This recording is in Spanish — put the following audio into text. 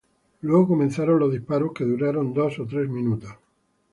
Luego comenzaron los disparos, que duraron dos o tres minutos.